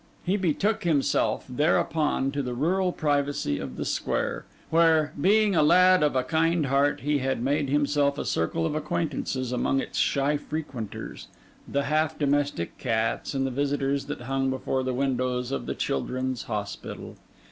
He betook himself, thereupon, to the rural privacy of the square, where, being a lad of a kind heart, he had made himself a circle of acquaintances among its shy frequenters, the half domestic cats and the visitors that hung before the windows of the Children's Hospital.